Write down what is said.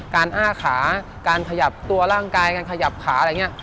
อ้าขาการขยับตัวร่างกายการขยับขาอะไรอย่างนี้